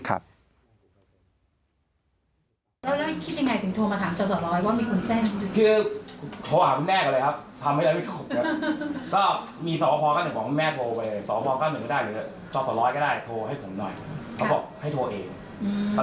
แล้วคิดอย่างไรถึงโทรมาถามเจ้าสรร้อยว่ามีคนแจ้งอยู่